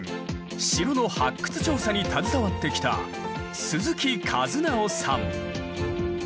城の発掘調査に携わってきた鈴木一有さん。